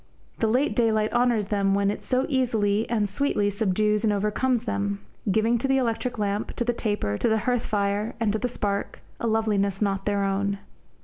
The late daylight honours them when it so easily and sweetly subdues and overcomes them, giving to the electric lamp, to the taper, to the hearth fire, and to the spark, a loveliness not their own.